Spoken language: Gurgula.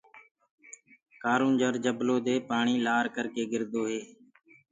ڪآرونجھر جبلو دي پآڻي لآر ڪر ڪي نِڪݪدو هي۔